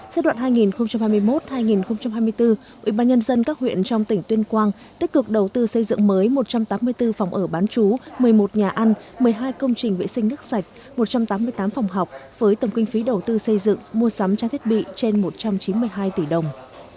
giai đoạn hai nghìn hai mươi một hai nghìn hai mươi bốn ubnd các huyện trong tỉnh tuyên quang tích cực đầu tư xây dựng mới một trăm tám mươi bốn phòng ở bán chú một mươi một nhà ăn một mươi hai công trình vệ sinh nước sạch một trăm tám mươi tám phòng học với tầm kinh phí đầu tư xây dựng mua sắm trang thiết bị trên một trăm chín mươi hai tỷ đồng